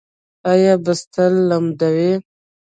ایا بستر لمدوي؟